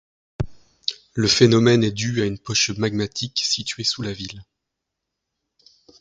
Le phénomène est dû à une poche magmatique située sous la ville.